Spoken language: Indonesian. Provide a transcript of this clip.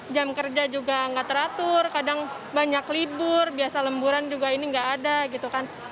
jam kerja juga nggak teratur kadang banyak libur biasa lemburan juga ini nggak ada gitu kan